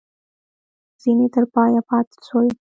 ځیني تر پایه پاته شول.